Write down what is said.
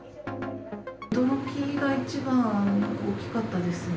驚きが一番大きかったですね。